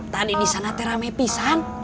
tadi disana teramai pisan